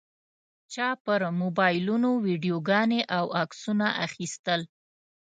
چا پر موبایلونو ویډیوګانې او عکسونه اخیستل.